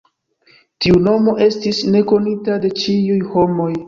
Tiu nomo estis nekonita de ĉiuj homoj.